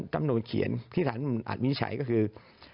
กำหนดเขียนที่สารอาจมินใช้ก็คือ